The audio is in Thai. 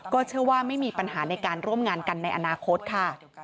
เชื่อว่าไม่มีปัญหาในการร่วมงานกันในอนาคตค่ะ